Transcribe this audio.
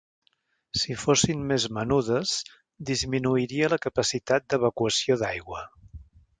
Si fossin més menudes, disminuiria la capacitat d'evacuació d'aigua.